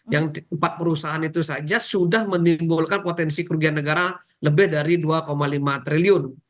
yang empat perusahaan itu saja sudah menimbulkan potensi kerugian negara lebih dari dua lima triliun